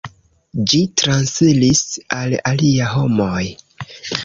Ĝi transiris al aliaj homoj.